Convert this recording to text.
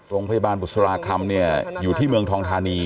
โรงพยาบาลบุษราคำเนี่ยอยู่ที่เมืองทองธานี